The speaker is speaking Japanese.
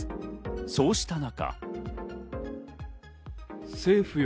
そうした中。